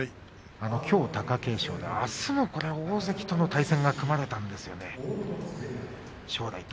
きょうは貴景勝で、あすも大関との対戦が組まれたんですよね